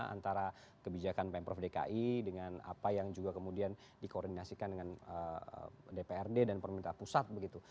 antara kebijakan pemprov dki dengan apa yang juga kemudian dikoordinasikan dengan dprd dan pemerintah pusat begitu